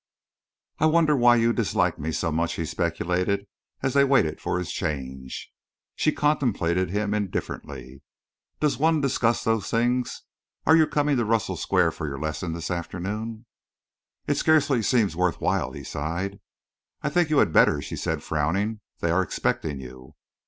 "I wonder why you dislike me so much," he speculated, as they waited for his change. She contemplated him indifferently. "Does one discuss those things? Are you coming to Russell Square for your lesson this afternoon?" "It scarcely seems worth while," he sighed. "I think you had better," she said, frowning. "They are expecting you."